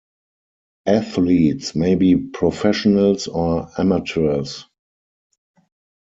Athletes may be professionals or amateurs.